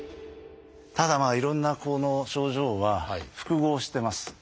ただいろんなこの症状は複合してます。